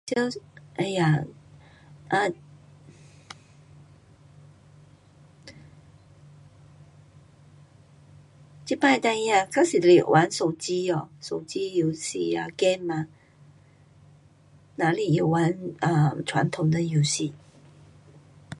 唉呀，这次孩儿较多就是